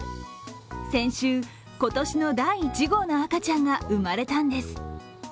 先週、今年の第１号の赤ちゃんが生まれたんです。